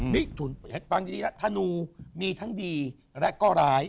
มิถุนฟังดีนะธนูมีทั้งดีและก็ร้าย